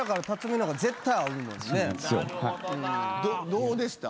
どうでした？